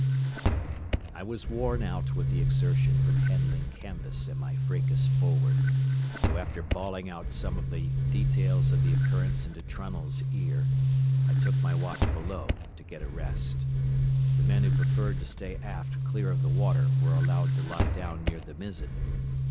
I was worn out with the exertion from handling canvas and my fracas forward, so after bawling out some of the details of the occurrence into Trunnell's ear, I took my watch below to get a rest. The men who preferred to stay aft clear of the water were allowed to lie down near the mizzen.